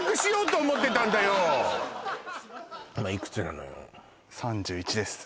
今いくつなのよ？